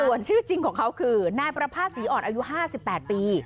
ส่วนชื่อจริงของเขาคือนายประภาษศรีอ่อนอายุ๕๘ปี